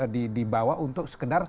sampai dibawa untuk sekedar